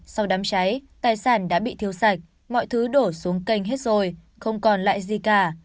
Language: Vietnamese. sau đám cháy tài sản đã bị thiêu sạch mọi thứ đổ xuống kênh hết rồi không còn lại gì cả